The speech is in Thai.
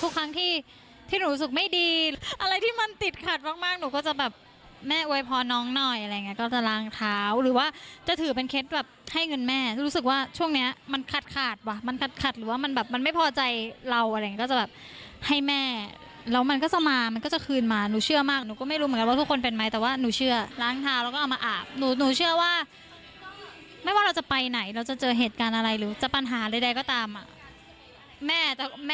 ทุกครั้งที่ที่หนูรู้สึกไม่ดีอะไรที่มันติดขัดมากหนูก็จะแบบแม่อวยพอน้องหน่อยอะไรอย่างงี้ก็จะล้างเท้าหรือว่าจะถือเป็นเคล็ดแบบให้เงินแม่รู้สึกว่าช่วงนี้มันขัดขาดวะมันขัดขัดหรือว่ามันแบบมันไม่พอใจเราอะไรก็จะแบบให้แม่แล้วมันก็จะมามันก็จะคืนมาหนูเชื่อมากหนูก็ไม่รู้เหมือนกันว่าทุกคนเป